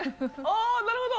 ああ、なるほど。